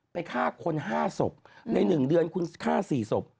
ฆ่าคน๕ศพใน๑เดือนคุณฆ่า๔ศพ